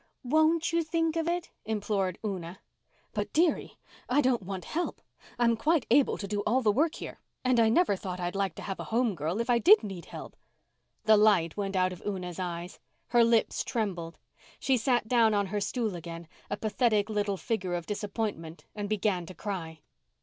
"Won't you think of it?" implored Una. "But, dearie, I don't want help. I'm quite able to do all the work here. And I never thought I'd like to have a home girl if I did need help." The light went out of Una's eyes. Her lips trembled. She sat down on her stool again, a pathetic little figure of disappointment, and began to cry.